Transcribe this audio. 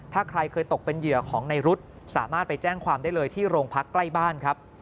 ถ้าใครเคยตกเป็นเหยื่อของในรุ๊ดสามารถไปแจ้งความได้เลยที่โรงพักใกล้บ้านครับ